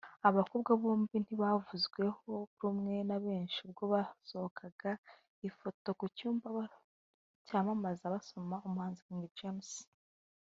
Aba bakobwa bombi ntibavuzweho rumwe na benshi ubwo hasohokaga ifoto ku cyapa cyamamaza basoma umuhanzi King James